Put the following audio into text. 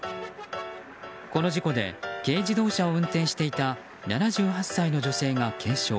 この事故で軽自動車を運転していた７８歳の女性が軽傷。